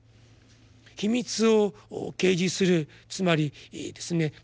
「秘密を啓示」するつまりですね